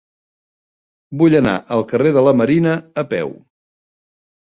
Vull anar al carrer de la Marina a peu.